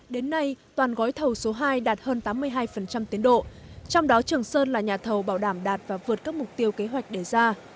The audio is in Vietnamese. đến nay toàn gói thầu số hai đạt hơn tám mươi hai tiến độ trong đó trường sơn là nhà thầu bảo đảm đạt và vượt các mục tiêu kế hoạch đề ra